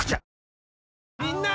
みんな！